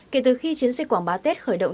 kể từ khi chiến dịch quảng bá tết khởi động